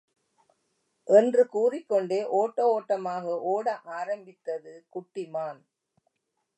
என்று கூறிக்கொண்டே ஓட்ட ஒட்டமாக ஒட ஆரம்பித்தது குட்டி மான்.